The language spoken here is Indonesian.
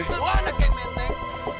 gue anak game men